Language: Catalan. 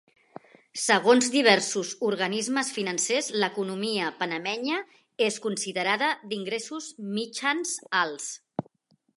Segons diversos organismes financers l'economia panamenya és considerada d'ingressos mitjans-alts.